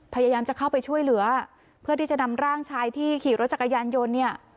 พยายามจะเข้าไปช่วยเหลือเพื่อที่จะนำร่างชายที่ขี่รถจักรยานยนต์เนี่ย